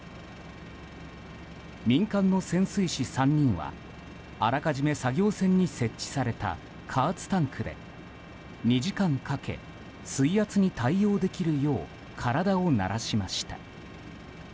民間の潜水士３人はあらかじめ作業船に設置された加圧タンクで２時間かけ水圧に対応できるよう体を慣らしました。